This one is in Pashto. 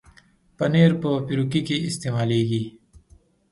پنېر په پیروکي کې استعمالېږي.